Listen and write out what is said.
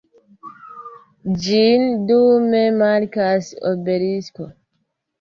Ĝin dume markas obelisko.